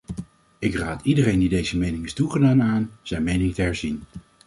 Ik raad iedereen die deze mening is toegedaan aan zijn mening te herzien.